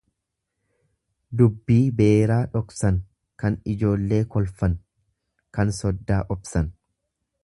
Dubbii beeraa dhoksan, kan ijoollee kolfan, kan soddaa obsan.